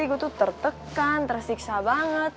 aku tuh tertekan tersiksa banget